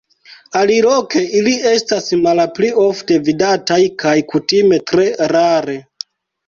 Aliloke ili estas malpli ofte vidataj kaj kutime tre rare.